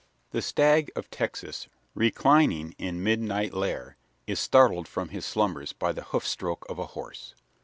The stag of Texas, reclining in midnight lair, is startled from his slumbers by the hoofstroke of a horse.